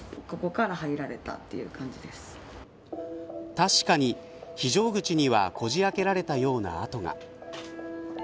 確かに、非常口にはこじ開けられたような跡が。